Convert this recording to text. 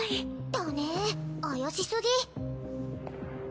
だね怪しすぎ。